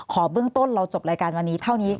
เบื้องต้นเราจบรายการวันนี้เท่านี้